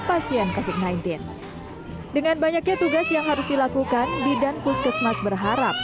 pasien kofit sembilan belas dengan banyaknya tugas yang harus dilakukan bidan puskesmas berharap